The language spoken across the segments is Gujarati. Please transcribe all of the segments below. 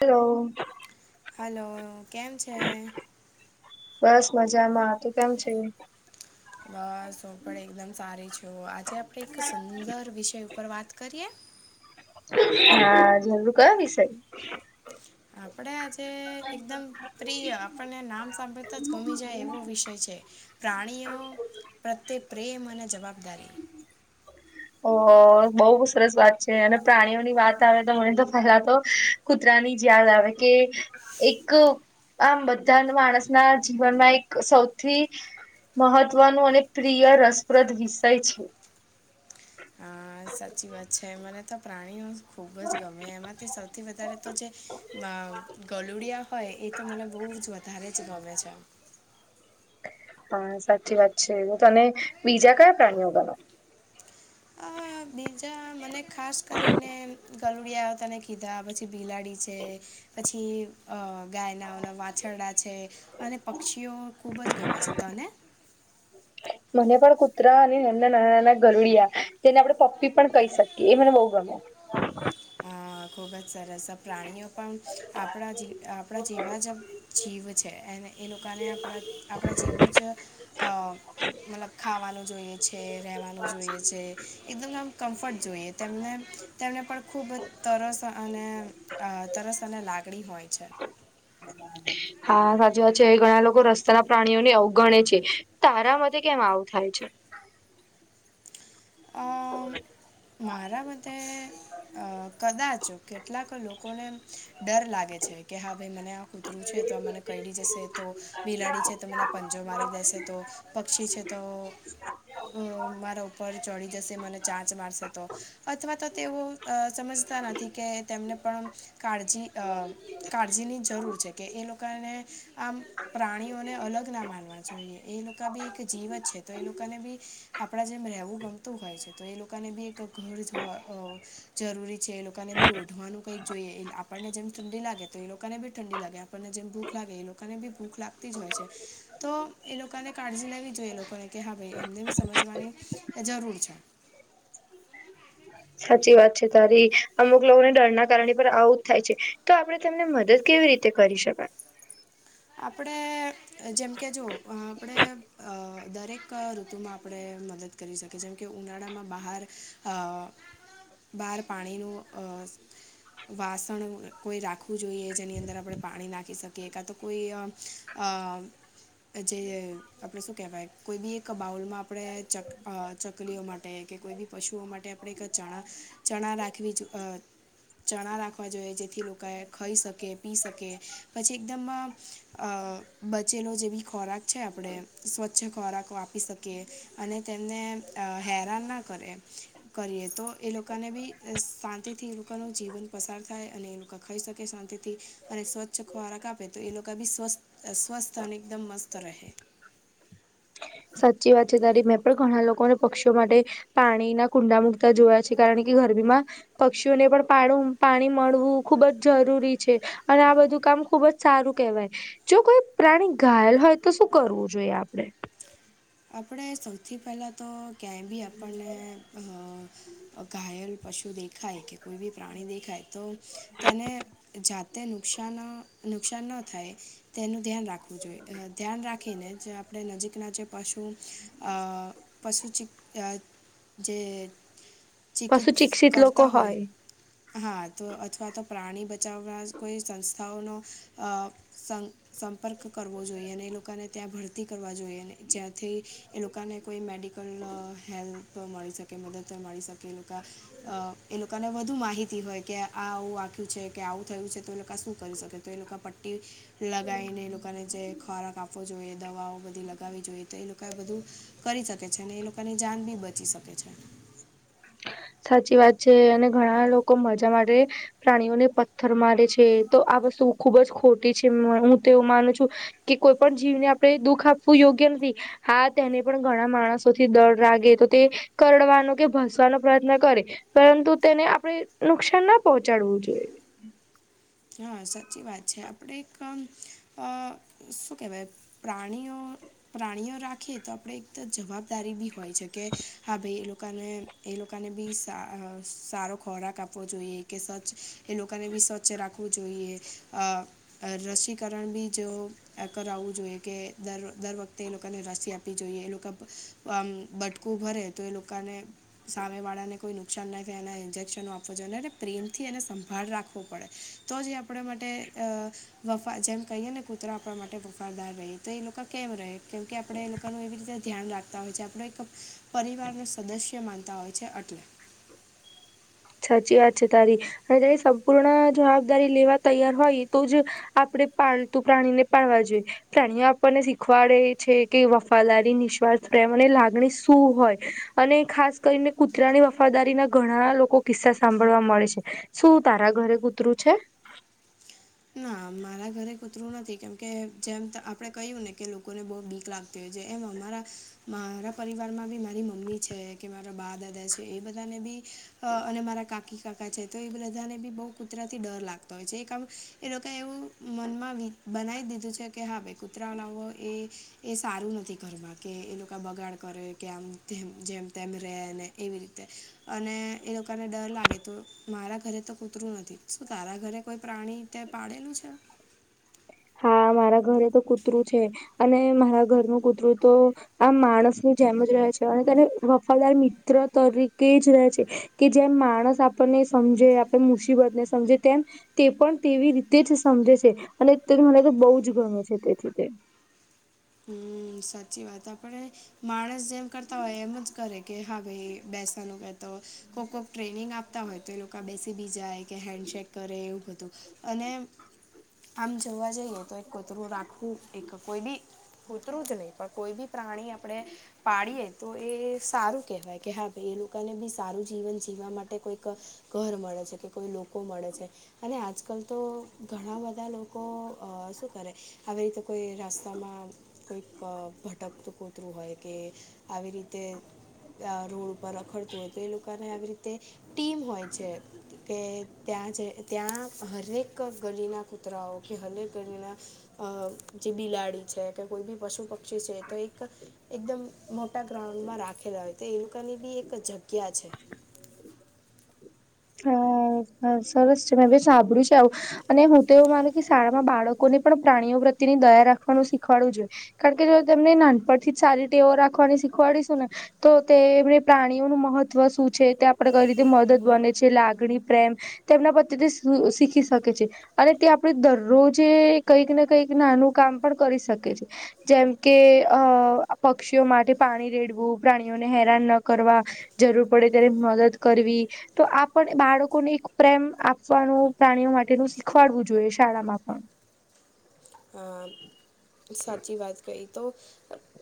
હલો. હાલો, કેમ છે? બસ મજામાં, તું કેમ છે? બસ હું પણ એકદમ સારી છું. આજે આપણે એક સુંદર વિષય ઉપર વાત કરીએ? હા જરૂર, કયો વિસય? આપડે આજે એકદમ પ્રિય આપણને નામ સાંભળતા જ ગમી જાય એવો વિષય છે. પ્રાણીઓ પ્રત્યે પ્રેમ અને જવાબદારી. ઓ બહ સરસ વાત છે અને પ્રાણીઓની વાત આવે તો મને તો પેલા તો કુતરાની જ યાદ આવે કે એક આમ બધા માણસ ના જીવનમાં એક સૌથી મહત્વનો અને પ્રિય રસપ્રદ વિષય છે. હા સાચી વાત છે. મને તો પ્રાણીઓ ખૂબ જ ગમે એમાંથી સૌથી વધારે તો જે ગલુડિયા હોય એ તો મને બહુ જ વધારે જ ગમે છેમ. હા સાચી વાત છે. તને બીજા કયા પ્રાણીઓ ગમે? અ બીજા મને ખાસ કરીને ગરુડીયા તને કીધા પછી પછી બિલાડી છે પછી અ ગાયના ઓના વાછરડા છે. અને પક્ષીઓ ખૂબ જ ગમે છે. તને? મને પણ કૂતરા અને એમના નાના નાના ગરુડિયા તેને આપણેે પપ્પી પણ કહી શકીએ એ મને બહુ ગમે. અ ખૂબ જ સરસ પ્રાણીઓ પણ આપણા આપણા જેવા જ જીવ છે એ એ લોકોને આપણા આપણે જેવું જ અ મતલબ ખાવાનું જોઈએ. છે રહેવાનું જોઈએ છે એકદમ આમ. કમ્ફર્ટ જોઈએ તેમને તેમણે પણ ખૂબ તરસ અને તરસ અને લાગડી હોય છે. હા સાચી વાત છે ઘણા લોકો રસ્તાના પ્રાણીઓને અવગણે છે તારા મ કેમ આવું થાય છે? અ બ મારા મતે અ કદાચ કેટલાક લોકોને ડર લાગે છે કે હા ભઈ મને કૂતરું છે તો આ મને કયડી જશે તો બિલાડી છે તો મને પંજો મારી દેશે તો? પક્ષી છે તો ઉમ મારા ઉપર ચડી જશે મને ચાંચ મારશે. અથવા તો તેઓ સમજતા નથી કે તેમને પણ કાળજી અ કાળજીની જરૂર છે કે એ લોકોને આમ પ્રાણીઓને અલગ ના માનવા જોઈએ એ લોકો બી એક જીવ જ છે તો એ લોકાને બી આપણા જેમ રહેવું ગમતું હોય છે તો એ લોકોને બી એક ઘર હો અ જરૂરી છે એ લોકોને બી ઓઢવાનું કંઈક જોઈએ આપણને જેમ ઠંડી લાગે તો એ લોકાને બી ઠંડી લાગે આપણને જેમ ભૂખ લાગે એ લોકાને બી ભૂખ લાગતી જ હોય છે. તો એ લોકાને કાળજી લેવી જોઈએ એ લોકોને કે હા ભાઈ એમને બી સમજવાની જરૂર છે. સાચી વાત છે તારી અમુક લોકોને ડરના કારણે પણ આવું જ થાય છે તો આપણે તને મદદ કેવી રીત તે કરી શકાય? આપણે જેમકે જોવો આપણે અ દરેક ઋતુમાં આપણે મદદ કરી શકે જેમ કે ઉનાળામાં બહાર અ બહાર પાણીનું અ વાસણ કોઈ રાખવું જોઈએ જેની અંદર આપણે પાણી નાખી શકીએ કાતો કોઈ અ અ જે આપણે શું કહેવાય કોઈ બી એક એક બાઉલમાં આપણે ચક અ ચકલીઓ માટે કે કોઈ બી પશુઓ માટે આપણે એક ચણા ચણા રાખવી જો અ ચણા રાખવા જોઈએ જેથી લોકોએ ખાઈ શકે, પી શકે પછી એકદમ અ બચેલો જે બી ખોરાક છે આપણે સ્વચ્છ ખોરાક આપી શકી કે અને તેમને હેરાન ના કરે. કરીએ તો એ લોકાને બી શાંતિથી એ લોકાનું જીવન પસાર થાય અને એ લોકા ખાઈ શકે શાંતિથી અને સ્વચ્છ ખોરાક આપીએ. તો એ લોકા બી સ્વસ્થ સ્વસ્થ અને એકદમ મસ્ત રહે. સાચી વાત છે તારી, મેં પણ ઘણા લોકોને પક્ષીઓ માટે પાણીના કુંડા મૂકતા જોયા છે કારણ કે ગરમીમાં પક્ષીઓને પણ પાડુ પાણી મળવું ખુબ જ જરૂરી છે. અને આ બધું કામ ખુબ જ સારું કહેવાય. જો કોઈ પ્રાણી ઘાયલ હોય તો શું કરવું જોઈએ આપણે? આપણે સૌથી પહેલા તો ક્યાંય બી આપણને અ ઘાયલ પશુ દેખાય કે કોઈ બી પ્રાણી દેખાય તો તેને જાતે નુકસાન નુકસાન ન થાય. તેનું ધ્યાન રાખવું જોઈએ અ ધ્યાન રાખીને જે આપણે નજીકના જ પશુ અ પશુ જી અ જે પશુ ચિકિત્સ શિક્ષિત લોકો કરતા હોય. હા તો અ અથવા તો પ્રાણી બચાવવા કોઈ સંસ્થાઓનો અ સં સંપર્ક કરવો જોઈએ ને એ લોકોને ત્યાં ભરતી કરવા જોઈએ. જ્યાંથી એ લોકોને કોઈ મેડિકલ અ હેલ્પ મળી શકે. કે મદદ મળી શકે એ લોકા અ એ લોકાને વધુ માહિતી હોય કે આ આ વાખ્યું છે કે આવું થયું છે તો એ લોકા શું કરી શકે? તો એ લોકા પટ્ટી લગાઈને એ લોકાને જે ખોરાક આપવો જોઈએ, દવાઓ બધી લગાવવી જોઈએ. તો એ લોકાએ બધું કરી શકે છે અને એ લોકાની જાન બી બચી શકે છે. સાચી વાત છે અને ઘણા લોકો મજા માટે પ્રાણીઓને પથ્થર મારે છે તો આ વસ્તુ ખૂબ જ ખોટી છે હું તો એવું માનું છું. કે કોઈ પણ જીવને આપણે દુઃખ આપવું યોગ્ય નથી. હા તેને પણ ઘણા માણસોથી ડર લાગે તો તે કરડવા નો કે ભસવાનો પ્રયત્ન કરે પરંતુ તેને આપણે નુકસાન ન પહોંચાડવું જોઈએ. હા સાચી વાત છે આપણે એક અ શું કહેવાય? પ્રાણીઓ પ્રાણીઓ રાખીએ તો આપણે એક તો જવાબદારી બી હોય છે કે હા ભઈ એ લોકાને એ લોકોને બી સારો ખોરાક આપવો જોઈએ કે સ્વચ્છ એ લોકોને બી સ્વચ્છ રાખ આપવું જોઈએ અ રસીકરણ બી જો કરાવવું જોઈએ કે દ દર વખતે એ લોકોને રસી આપ જોઈએ એ લોકો આમ બટકું ભરે તો એ લોકોને સામે વાળા ને કોઈ નુકસાન ના થાય એના ઇન્જેક્શનો આપવો જોઈએ ને એટલે પ્રેમ થી એને સંભાળ રાખવો પડે તો જે આપણા માટે અ વફા જેમ કહીએ ને કૂતરો આપણા માટે વફારદાર રહે તો એ લોકો કેમ રહે કેમ કે આપડણે એ લોકોનું એવી રીતે ધ્યાન રાખતા હોય છે આપડે એક પરિવારના સદસ્ય માનતા હોય છે એટલે સાચી વાત છે તારી અને તેની સંપૂર્ણ જવાબદારી લેવા તૈયાર હોય તો જ આપણે પાળતું પ્રાણીને પાળવા જોઈએ પ્રાણીઓ આપણને શીખવાડે છે. કે વફાદારી નિસ્વાર્થ પ્રેમ અને લાગણી શું હોય. અને ખાસ કરીને કૂતરાની વફાદારીના ઘણા લોકો કિસ્સા સાંભળવા મળે છે શું તારા ઘરે કૂતરું છે? ના મારા ઘરે કૂતરું નથી કેમ કે જેમ ત આપડે કહ્યું ને કે લોકોને બઉ બીક લાગ કે જે એમ અમારા મારા પરિવારમાં બી મારી મમ્મી છે કે મારા બા દાદા છે એ બધાને બી અ અને મારા કાકી કાકા છે તો એ બધાને બી બઉ કુતરાથી ડર લાગતો હોય છે એક કામ એ લોકો એવું મનમાં વી બનાવી દીધું છે કે હા ભાઈ કૂતરા લાવો એ એ સારું નથી ધરમા કે એ લોકો બગાડ કરે કે આમ તેમ જેમ તેમ રે ને એવી રીતે અને એ લોકાને ડર લાગે તો મારા ઘરે તો કૂતરું નથી શું તારા ઘરે કોઈ પ્રાણી કાઈ પાડેલું છે? હા મારા ઘરે તો કૂતરું છે અને મારા ઘરનું કૂતરું તો આ માણસની જેમ જ રહે છે, અને તેને વફાદાર મિત્ર તરીકે જ રહે છે. કે જેમ માણસ આપણને સમજે આપણે મુસીબતને સમજે તેમ તે પણ તેવી રીતે જ સમજે છે અને તે મને તો બહુ જ ગમે છે તેથી તે હમ્મ સાચી વાત આપણે માણસ જેમ કરતા હોય એમ જ કરે કે હા ભાઈ બેસવાનું કેતો કોક કોક ટ્રેનિંગ આપતા હોય તો એ લોકા બેસી બી જાય કે હેન્ડશેેક કરે એવું બધુ અને આમ જોવા જઈએ તો એક કુતરું રાખવું એક કોઈ બી કૂતરું જ નહીં પણ કોઈ બી પ્રાણી આપણે પાળીએ તો એ સારું કેહેવાય કે હા ભાઈ એ લોકાને બી સારું જીવન જીવવા માટે કોઈક ઘર મળે છે. કે કોઈ લોકો મળે છે અને આજકાલ તો ઘણા બધા લોકો અ શું કરે આવી રીતે કોઈ રસ્તામાં કોઈક ભટકતું કૂતરું હોય કે આવી રીતે આ રોડ ઉપર રખડતું હોય તો એ લોકાને આવી રીતે ટીમ હોય છે કે ત્યાં જઈ ત્યાં હરેક ગલીના કુત તરાઓ કે હરેક ગલીના અ જે બિલાડી છે કે કોઈ બી પશુ પક્ષી પક્ષી છે તો એક એકદમ મોટા ગ્રાઉન્ડમાં રાખેલા હોય તો એ લોકાની બી એક જગ્યા છે. હા સરસ છે મેં ભી સાંભળ્યું છે આવું અને હું તો એવું માનું કે શાળામાં બાળકો ને પણ પ્રાણીઓ પ્રત્યેની દયા રાખવાનું શીખવાડવું જોઈએ. કારણ કે જો તમને નાનપણથી જ સારી ટેવો રાખવાની શીખવાડીશું ને તો તેમણે પ્રાણીઓનું મહત્વ શું છે તે આપણેે કઈ રીતે મદદ બને જે લાગણી પ્રેમ તેમના પ્રત્યેથી શું શીખી શકે છે. અને તે આપણેે દરરોજે કઈક ને કઈક નાનું કામ પણ કરી શકે છે. જેમ કે અ પક્ષીઓ માટે પાણી રેડવું, પ્રાણીઓને હેરાન ન કરવા જરૂર પડે ત્યારે મદદ કરવી તો આપણ બાળકોને એક પ્રેમ આપવાનું પ્રાણીઓ માટેનું શીખવાડવું જોઈએ શાળામાં પણ હા સાચી વાત કહી તો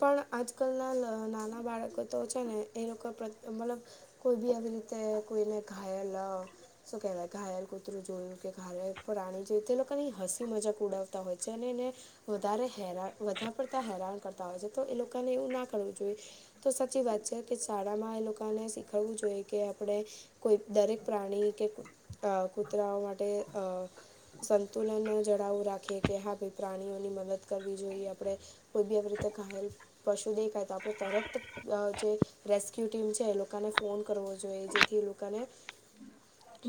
પણ આજકલના ન નાના બાળકો તો છે ને એ લોકો પ્રતે મતલબ કોઈ બી આવી રીતે કોઈને ઘાયલ અ શું કહેવાય? ઘાયલ કૂતરું જોયું કે, ઘાયલ પ્રાણી જોય તો એ લોકની હસી મજાક ઉડાવતા હોય. જે ને ને વધારે હેરાન વધારે પડતાં હેરાન કરતા હોય છે, તો એ લોકોને એવું ના કરવું જોઈએ. તો સાચી વાત છે કે શાળામાં એ લોકાને શીખવવું જોઈએ કે આપણે કોઈ દરેક પ્રાણી કે કોઈ અ કૂતરાઓ માટે અ સંતુલન જળાવુ રાખે. કે હા ભઈ પ્રાણીઓની મદદ કરવી જોઈએ, આપણે કોઈ બી આવી રીતે ઘાયલ પશુ દેખાય તો આપણે તરત જે રેસ્ક્યુ ટીમ છે એ લોકાને ફોન કરવો જોઈએ જેથી એ લોકાને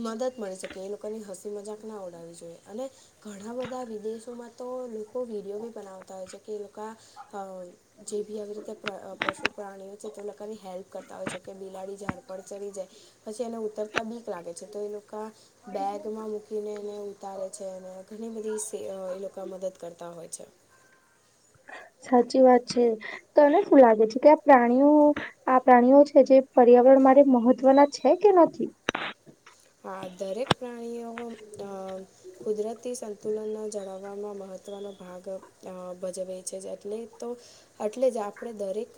મદદ મળી શકે એ લોકોની હસી મજાક ના ઉડાવવી જોઈએ અને ઘણા બધા વિદેશ માં તો લોકો વિડીયો બી બનાવતા હોય છે કે એ લોકો અ જે બી આવી રીતે પ્ર અ પશુ પ્રાણીઓ છે તો લોકાની હેલ્પ કરતા હોય છે કે બિલાડી ઝાડ પર ચડી જાય પછી એને ઉતરતા બીક લાગે છે તો એ લોકા બેગમાં મૂકીને એને ઉતારે છે અને ઘણી બધી સે અ લોકા મદદ કરતાં હોય છે. સાચી વાત છે, તને શું લાગે છે કે આ પ્રાણીઓ આ પ્રાણીઓ છે જે પર્યાવરણ માટે મહત્વનાં છે કે નથી? હા દરેક પ્રાણીઓ અ કુદરતી સંતુલનને જળાવવામાં મહત્ત્વનો ભાગ અ ભજવે છે એટલે તો એટલે જ આપણે દરેક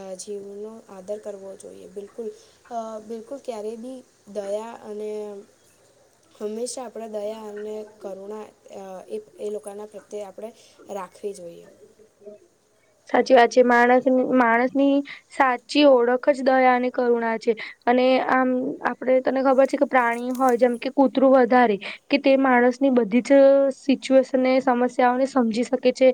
અ જીવનો આદર કરવો જોઈએ બિલકુલ. અ બિલકુલ ક્યારેય બી દયા અને હંમેશા આપણે દયા અને કરુણા અ એ એ લોકોના પ્રત્યે આપણે રાખવી જોઈએ. સાચી વાત છે માણસ માણસની સાચી ઓળખ જ દયા અને કરુણા છે. અને આમ આપડે તને ખબર છે કે પ્રાણી હોય જેમ કે કૂતરું વધારે કે તે માણસની બધી જ સિચ્યુએશનને સમસ્યાઓને સમજી શકે છે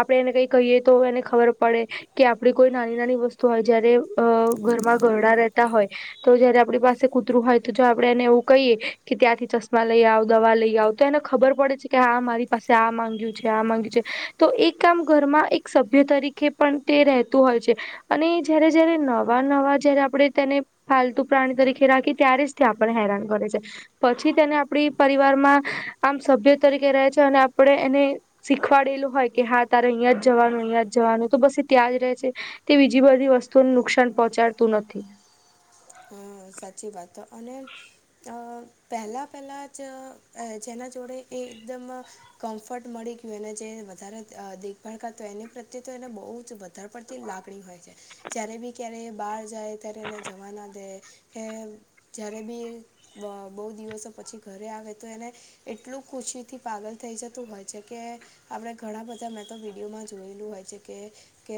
આપણે એને કઈ કહીએ તો એને ખબર પડે. કે આપણી કોઈ નાની-નાની વસ્તુ હોય જયારે અ ઘરમાં ઘરડાં રહેતા હોય તો જયારે આપણી પાસે કૂતરું હોય તો જો આપણે એને એવું કહીએ કે ત્યાંથી ચશ્મા લઈ આવ, દવા લઈ આવ. તો એને ખબર પડે છે કે હા મારી પાસે આ માંગ્યું છે આ માંગ્યું છે તો એ કામ ઘરમાં એક સભ્ય તરીકે પણ તે રહેતું હોય છે. અને જ્યારે જયારે નવાં-નવાં જ્યારે આપણે તેને પાલતુ પ્રાણી તરીકે રાખીએ ત્યારે જ તે આપણને હેરાન કરે છે. પછી તેને આપણી પરિવારમાં આમ સભ્ય તરીકે રહે છે અને આપણે એને શીખવાડેલું હોય કે હા તારે અહિયાં જ જવાનું અહીંયાં જવાનું તો બસ એ ત્યાં જ રહે છે તે બીજી બધી વસ્તુઓને નુકસાન પહોંચાડતું નથી. હ સાચી વાત તો અને અ પહેલાં પહેલાં જ અ અહે છે એના જોડે એ એકદમ કમ્ફર્ટ મળી ગયું એને જે વધારે અ દેખભાળ કરતું હોય એને પ્રત્યે તો એને બહુ જ વ ધાર પડતી લાગણી હોય છે જ્યારે બી ક્યારે એ બહાર જાય ત્યારે એને જવા ના દે. એમ જ્યારે બી બ બહુ દિવસો પછી ઘરે આવે તો એને એટલું ખુશીથી પાગલ થઈ જતું હોય છે કે અમણે ઘણા બધા મેં તો વિડીયોમાં જોયેલું હોય છે કે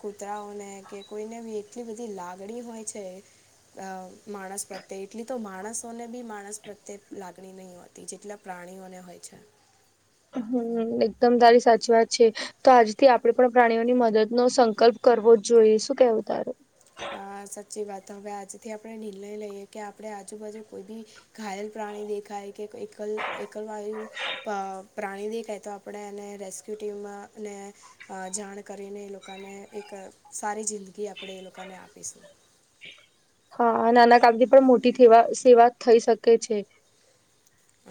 કૂતરાઓને કે કોઈને બી એટલી બધી લાગણી હોય છે. અ માણસ પ્રત્યે એટલી તો માણસોને બી માણસ પ્રત્યે લાગણી નઈ હોય. જેટલા પ્રાણીઓને હોય છે. હમ્મ, એકદમ તારી સાચી વાત છે. તો આજથી આપણે પણ પ્રાણીઓની મદદનો સંકલ્પ કરવો જ જોઈએ શું કેહવું તારું? અ સાચી વાત હવે આજથી આપણે નિર્ણય લઈએ કે આપણે આજુબાજુ કોઈ બી ઘાયલ પ્રાણી દેખાય કે એકલ એકલ વાયું પા પ્રાણી દેખાય તો આપણે એને રેસ્ક્યુ ટીમમાં ને અ જાણ કરીને એ લોકાને એક સારી જિંદગી આપણે એ લોકાને આપીસુ. હ નાના કામથી પણ મોટી થેવા સેવા થઈ શકે છે.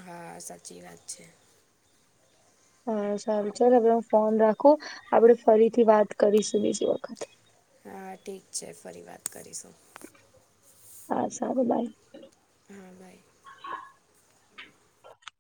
હા, સાચી વાત છે. હા સારું ચાલ હવે હું ફોન રાખું, આપડે ફરીથી વાત કરીશું બીજી વખત. હા ઠીક છે, ફરી વાત કરીશું. હા સારું. બાઈ. હા, બાય.